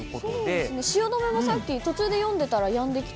そうですね、汐留もさっき、途中で読んでたらやんできて。